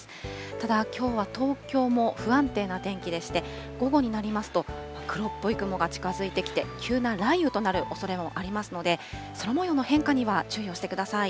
ただ、きょうは東京も不安定な天気でして、午後になりますと、黒っぽい雲が近づいてきて、急な雷雨となるおそれもありますので、空もようの変化には注意をしてください。